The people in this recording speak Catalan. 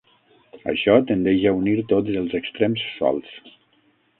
Això tendeix a unir tots els extrems solts.